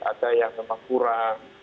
ada yang memang kurang